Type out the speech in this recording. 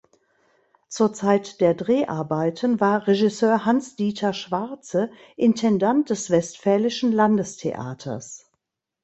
Zur Zeit der Dreharbeiten war Regisseur Hans Dieter Schwarze Intendant des Westfälischen Landestheaters.